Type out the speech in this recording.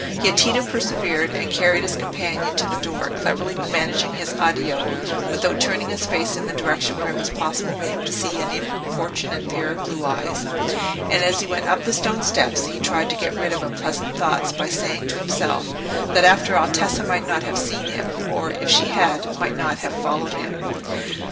Yet Tito persevered and carried his companion to the door, cleverly managing his "addio" without turning his face in a direction where it was possible for him to see an importunate pair of blue eyes; and as he went up the stone steps, he tried to get rid of unpleasant thoughts by saying to himself that after all Tessa might not have seen him, or, if she had, might not have followed him.